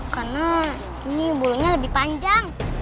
karena ini bulunya lebih panjang